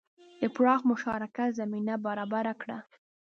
د پراخ مشارکت زمینه برابره کړه.